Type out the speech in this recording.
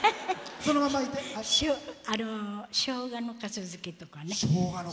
しょうがのかす漬けとか。